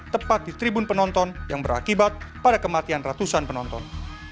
tepat di tribun penonton yang berakibat pada kematian ratusan penonton